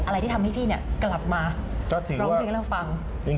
อะไรที่ทำให้พี่กลับมาร้องเพลงให้เราฟัง